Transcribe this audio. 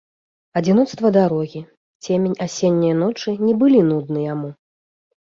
Адзіноцтва дарогі, цемень асенняе ночы не былі нудны яму.